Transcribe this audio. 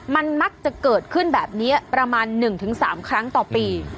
มันมักจะเกิดขึ้นแบบนี้ประมาณ๑๓ครั้งต่อปี